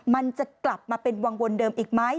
มันจะกลับมาเป็นวังวนเดิมอีกไหม